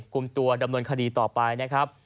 กลุ่มตัวดำเนินคดีต่อไปนะครับ